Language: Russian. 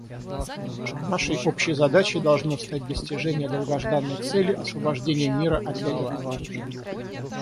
Нашей общей задачей должно стать достижение долгожданной цели освобождения мира от ядерного оружия.